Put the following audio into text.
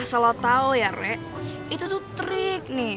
asal lo tau ya rea itu tuh trik nih